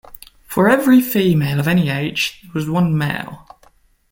For every female of any age, there was one male.